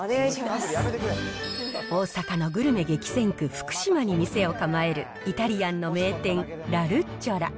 大阪のグルメ激戦区、福島に店を構える、イタリアンの名店、ラ・ルッチョラ。